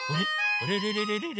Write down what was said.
あれれれれれれ？